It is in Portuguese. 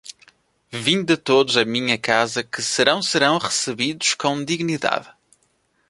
vinde todos a minha casa que serão serão recebidos com dignidade